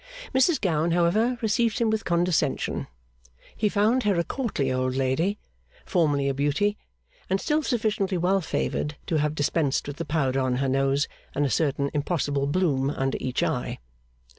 Mrs Gowan, however, received him with condescension. He found her a courtly old lady, formerly a Beauty, and still sufficiently well favoured to have dispensed with the powder on her nose and a certain impossible bloom under each eye.